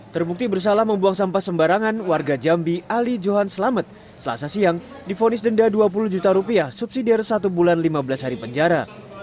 terbukti bersalah membuang sampah sembarangan warga jambi ali johan selamet selasa siang difonis denda dua puluh juta rupiah subsidiar satu bulan lima belas hari penjara